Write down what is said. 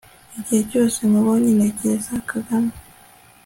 Igihe cyose nkubonye ntekereza kagame